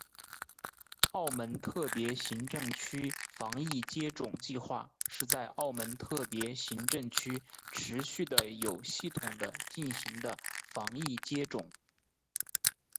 澳门特别行政区防疫接种计划是在澳门特别行政区持续地有系统地进行的防疫接种。